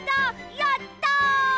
やった！